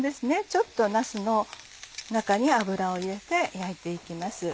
ちょっとなすの中に油を入れて焼いて行きます。